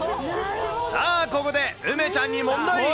さあ、ここで梅ちゃんに問題。